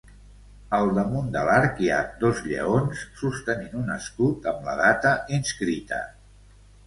Al damunt de l'arc hi ha dos lleons sostenint un escut amb la data inscrita.